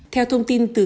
theo thông tin từ